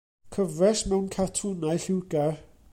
Cyfres mewn cartwnau lliwgar.